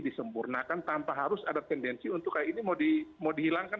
disempurnakan tanpa harus ada tendensi untuk kayak ini mau dihilangkan